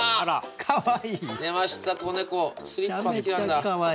かわいい。